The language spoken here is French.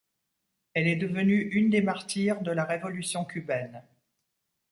Elle est devenue une des martyres de la Révolution cubaine.